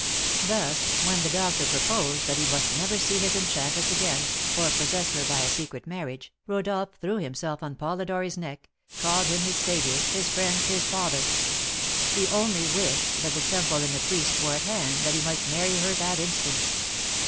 Thus, when the doctor proposed that he must never see his enchantress again, or possess her by a secret marriage, Rodolph threw himself on Polidori's neck, called him his saviour, his friend, his father; he only wished that the temple and the priest were at hand, that he might marry her that instant.